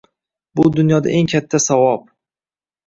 Bu dunyoda eng katta savob